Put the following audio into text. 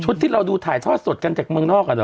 ที่เราดูถ่ายทอดสดกันจากเมืองนอกอ่ะเหรอ